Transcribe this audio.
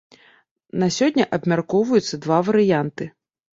На сёння абмяркоўваюцца два варыянты.